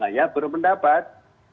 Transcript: nah ya berpendapat